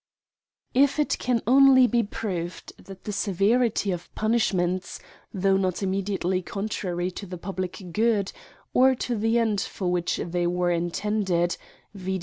If it can only be proved, that the severity of punishments, though not immediately contrary to the public good, or to the end for which they were intended, viz.